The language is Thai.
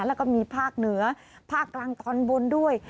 แล้วก็มีภาคเหนือภาคกลางตอนบนด้วย